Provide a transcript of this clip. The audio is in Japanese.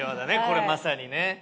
これまさにね。